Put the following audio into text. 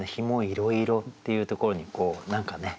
「紐いろいろ」っていうところに何かね。